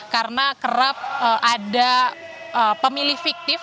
karena kerap ada pemilih fiktif